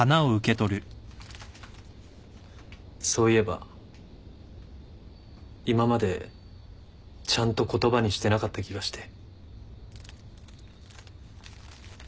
そういえば今までちゃんと言葉にしてなかった気がして。